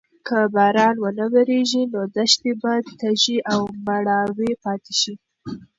که باران ونه وریږي نو دښتې به تږې او مړاوې پاتې شي.